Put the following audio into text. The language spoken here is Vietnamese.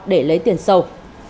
để lấy tiền sầu